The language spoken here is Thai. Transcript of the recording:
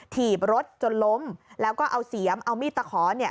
ถีบรถจนล้มแล้วก็เอาเสียมเอามีดตะขอเนี่ย